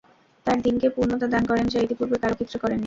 তাঁর দীনকে পূর্ণতা দান করেন, যা ইতিপূর্বে কারও ক্ষেত্রে করেননি।